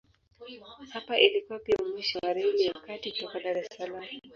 Hapa ilikuwa pia mwisho wa Reli ya Kati kutoka Dar es Salaam.